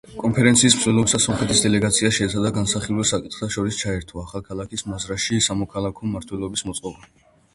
კონფერენციის მსვლელობისას სომხეთის დელეგაცია შეეცადა განსახილველ საკითხთა შორის ჩაერთო, ახალქალაქის მაზრაში სამოქალაქო მმართველობის მოწყობა.